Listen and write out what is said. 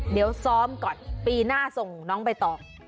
เดี๋ยวซ้อมก่อนปีหน้าส่งน้องใบตอง